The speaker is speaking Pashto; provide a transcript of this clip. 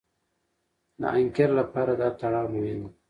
د حنکير لپاره دا تړاو مهم دی.